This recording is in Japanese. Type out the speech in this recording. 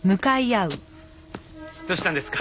どうしたんですか？